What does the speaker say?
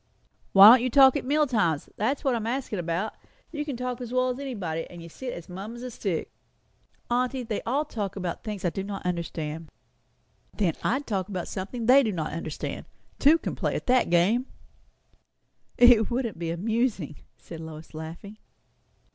"Why don't you talk at meal times? that's what I am askin' about. You can talk as well as anybody; and you sit as mum as a stick." "Aunty, they all talk about things I do not understand." "Then I'd talk of something they don't understand. Two can play at that game." "It wouldn't be amusing," said Lois, laughing.